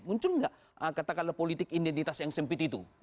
muncul nggak katakanlah politik identitas yang sempit itu